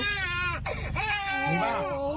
โอ้โหโอ้โห